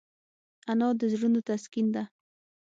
انا د زړونو تسکین ده